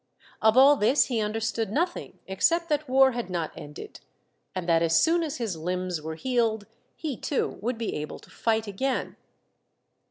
Of all this he understood nothing except that war had not ended, and that as soon as his limbs were healed he too would be able to fight again.